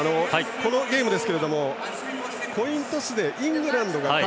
このゲームですがコイントスでイングランドが勝ち